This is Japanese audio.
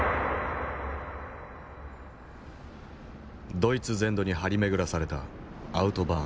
ドイツ全土に張り巡らされたアウトバーン。